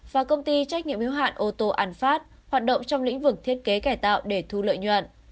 và công ty trách nhiệm hiếu hạn ô tô an phát hoạt động trong lĩnh vực thiết kế cải tạo để thu lợi nhuận